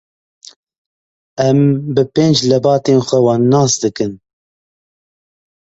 Em bi pênc lebatên xwe wan nas dikin.